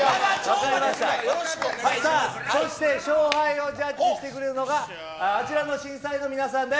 さあ、そして勝敗をジャッジしてくれるのが、あちらの審査員の皆さんです。